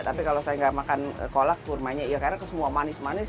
tapi kalau saya nggak makan kolak kurmanya iya karena semua manis manis